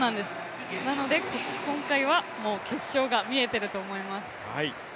なので、今回はもう決勝が見えてると思います。